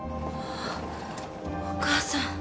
お母さん。